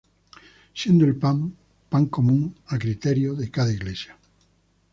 Siendo el pan, pan común, a criterio de cada iglesia.